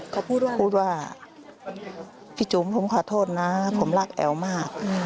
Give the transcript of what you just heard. เขาพูดว่าพูดว่าพี่จุ๋มผมขอโทษนะผมรักแอ๋วมาก